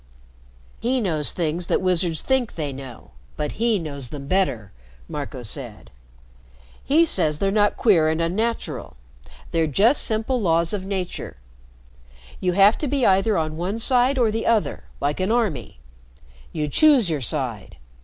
"He knows things that wizards think they know, but he knows them better," Marco said. "He says they're not queer and unnatural. They're just simple laws of nature. You have to be either on one side or the other, like an army. You choose your side.